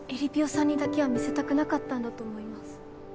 さんにだけは見せたくなかったんだと思います